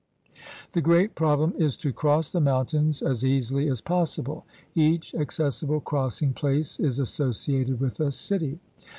The great problem is to cross the mountains as easily as possible. Each accessible crossing place is associated with a city.